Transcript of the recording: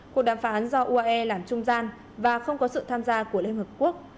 cuộc đàm phán do uae làm trung gian và không có sự tham gia của liên hợp quốc